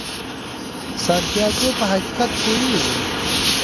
سانتیاګو په حقیقت پوهیږي.